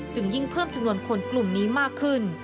ยิ่งเพิ่มจำนวนคนกลุ่มนี้มากขึ้น